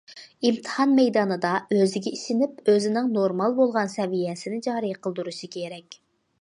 ئىمتىھان مەيدانىدا ئۆزىگە ئىشىنىپ، ئۆزىنىڭ نورمال بولغان سەۋىيەسىنى جارى قىلدۇرۇشى كېرەك.